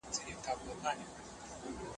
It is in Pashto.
استاد د شاګرد کار څنګه څاري؟